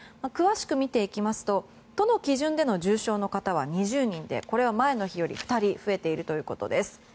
詳しく見ていきますと都の基準の重症の方は２０人でこれは前の日より２人増えているということです。